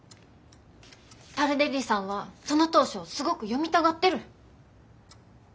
タルデッリさんはその投書をすごく読みたがってる。